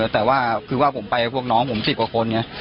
แต่ว่าคือว่าผมไปกับพวกน้องผม๑๐กว่าคนไง